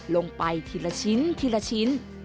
ลงไปทีละชิ้นทีละชิ้น